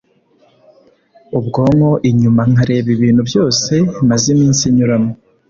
ubwonko inyuma nkareba ibintu byose maze iminsi nyuramo